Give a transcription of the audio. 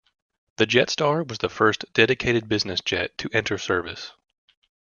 The JetStar was the first dedicated business jet to enter service.